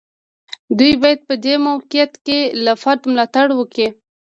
دوی باید په دې موقعیت کې له فرد ملاتړ وکړي.